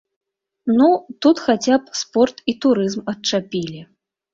Ну, тут хаця б спорт і турызм адчапілі.